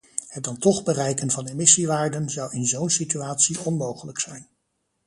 Het dan toch bereiken van emissiewaarden, zou in zo’n situatie onmogelijk zijn.